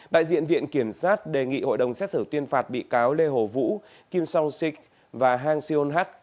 đại diện viện kiểm sát đề nghị hội đồng xét xử tuyên phạt bị cáo lê hồ vũ kim song sik và hang seon hak